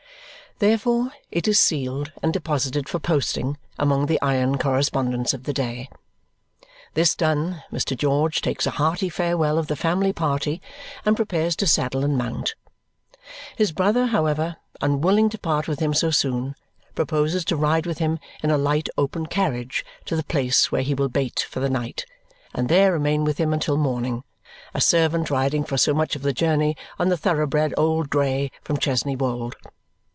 Therefore it is sealed and deposited for posting among the iron correspondence of the day. This done, Mr. George takes a hearty farewell of the family party and prepares to saddle and mount. His brother, however, unwilling to part with him so soon, proposes to ride with him in a light open carriage to the place where he will bait for the night, and there remain with him until morning, a servant riding for so much of the journey on the thoroughbred old grey from Chesney Wold.